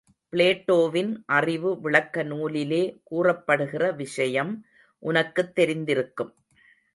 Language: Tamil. பிளாட்டோவின் அறிவு விளக்க நூலிலே கூறப்படுகிற விஷயம் உனக்குத் தெரிந்திருக்கும்.